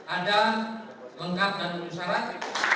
ada lengkap dan penuhi sarang